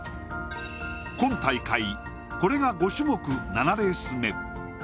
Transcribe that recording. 今大会、これが５種目７レース目。